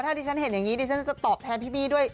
ถ้าดิฉันเห็นอย่างนี้ดิฉันจะตอบแทนพี่บี้ด้วย